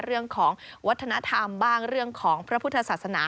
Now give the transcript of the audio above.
เรื่องของวัฒนธรรมบ้างเรื่องของพระพุทธศาสนา